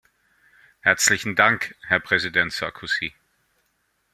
Herzlichen Dank, Herr Präsident Sarkozy!